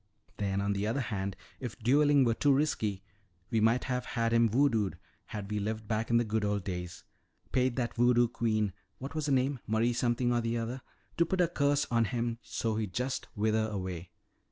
"Then on the other hand, if dueling were too risky, we might have had him voodooed, had we lived back in the good old days. Paid that voodoo queen what was her name? Marie something or other to put a curse on him so he'd just wither away."